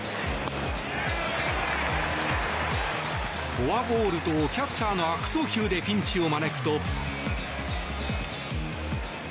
フォアボールとキャッチャーの悪送球でピンチを招くと。